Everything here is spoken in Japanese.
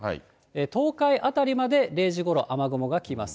東海辺りまで０時ごろ、雨雲が来ます。